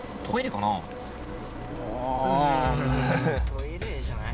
トイレじゃない？